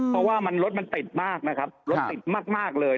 เพราะว่ารถมันติดมากเลย